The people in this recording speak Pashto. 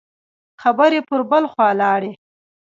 خبرې پر بل خوا لاړې.